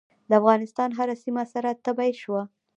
د افغانستان هره سیمه سره تبۍ شوه.